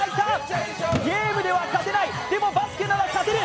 ゲームでは勝てない、でもバスケなら勝てる。